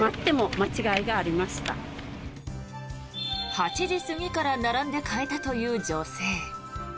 ８時過ぎから並んで買えたという女性。